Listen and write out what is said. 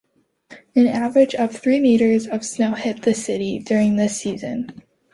An average of three meters of snow hit the city during this season.